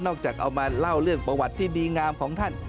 จากเอามาเล่าเรื่องประวัติที่ดีงามของท่าน